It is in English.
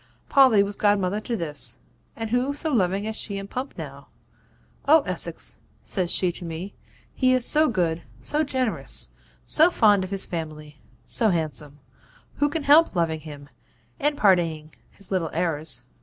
'Polly was godmother to this, and who so loving as she and Pump now? "Oh, Essex," says she to me, "he is so good, so generous, so fond of his family; so handsome; who can help loving him, and pardoning his little errors?"